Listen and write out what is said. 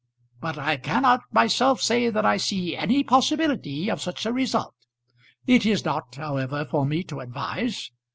But I cannot myself say that I see any possibility of such a result. It is not however for me to advise.